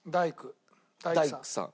大工さん。